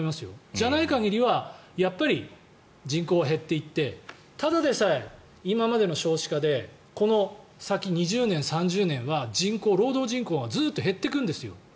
じゃない限りはやっぱり人口は減っていってただでさえ今までの少子化でこの先２０年、３０年は労働人口がずっと減っていくんですよ。